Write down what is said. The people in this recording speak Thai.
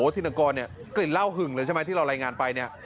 ธินกรเนี่ยกลิ่นเหล้าหึงเลยใช่ไหมที่เรารายงานไปเนี่ย